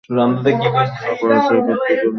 আপনার বড় ছেলেকে হত্যা করেছে।